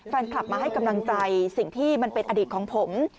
แฟนคลับมาให้กำลังใจสิ่งที่มันเป็นอดีตของผม